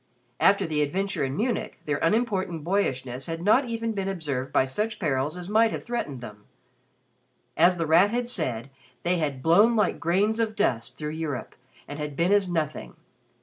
After the adventure in Munich their unimportant boyishness had not even been observed by such perils as might have threatened them. As The Rat had said, they had "blown like grains of dust" through Europe and had been as nothing.